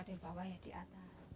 ada yang bawah ya di atas